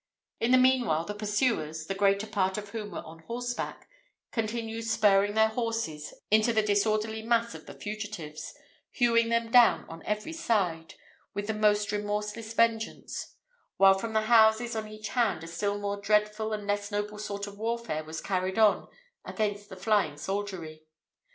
In the meanwhile, the pursuers, the greater part of whom were on horseback, continued spurring their horses into the disorderly mass of the fugitives, hewing them down on every side with the most remorseless vengeance; while from the houses on each hand a still more dreadful and less noble sort of warfare was carried on against the flying soldiery.